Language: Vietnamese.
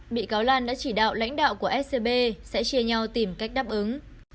bị cáo lan đã chỉ đạo lãnh đạo của scb sẽ chia nhau tìm cách đáp ứng